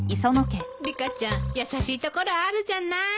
リカちゃん優しいところあるじゃない。